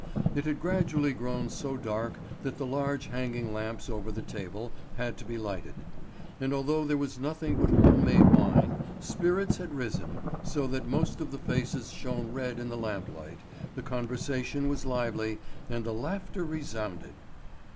It had gradually grown so dark that the large hanging lamps over the table had to be lighted; and although there was nothing but home made wine, spirits had risen, so that most of the faces shone red in the lamplight, the conversation was lively, and the laughter resounded.